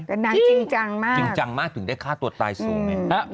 จริงจริงจังมากจริงจังมากถึงได้ฆ่าตัวตายสูงเนี่ยจริง